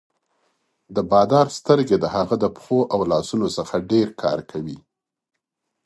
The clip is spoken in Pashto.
د بادار سترګې د هغه د پښو او لاسونو څخه ډېر کار کوي.